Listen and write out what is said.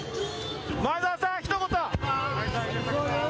前澤さん、ひと言！